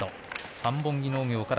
三本木農業から